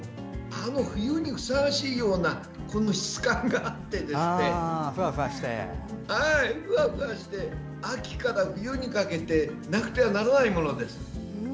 冬にふさわしいような質感があって、ふわふわして秋から冬にかけてなくてはならないものです。